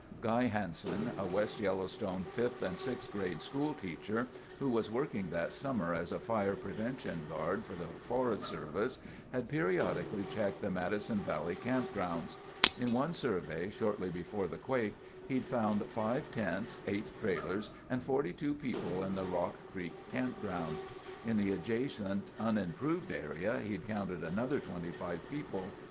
Guy Hanson, a West Yellowstone 5th and 6th grade school teacher who was working that summer as a Fire Prevention Guard for the Forest Service, had periodically checked the Madison Valley campgrounds. In one survey, shortly before the quake, he'd found five tents, eight trailers, and 42 people in the Rock Creek Campground. In the adjacent, unimproved area, he'd counted another 25 people.